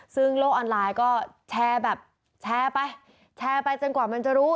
ซึ่งโลกออนไลน์ก็แชร์แบบแชร์ไปแชร์ไปจนกว่ามันจะรู้